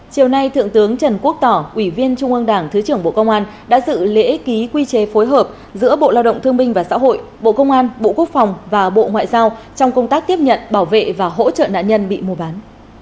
chiều nay thượng tướng trần quốc tỏ ủy viên trung ương đảng thứ trưởng bộ công an đã dự lễ ký quy chế phối hợp giữa bộ lao động thương minh và xã hội bộ công an bộ quốc phòng và bộ ngoại giao trong công tác tiếp nhận bảo vệ và hỗ trợ nạn nhân bị mua bán